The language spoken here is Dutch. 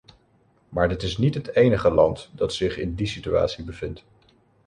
Maar dit is niet het enige land dat zich in die situatie bevindt.